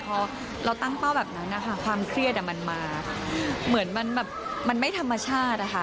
พอเราตั้งเป้าแบบนั้นนะคะความเครียดมันมาเหมือนมันแบบมันไม่ธรรมชาติอะค่ะ